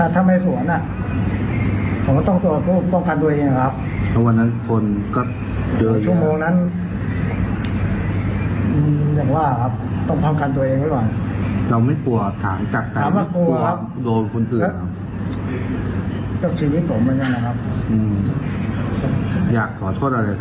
ต้องป้องกันตัวเองดีกว่าเราไม่กลัวถามจากใจแล้ว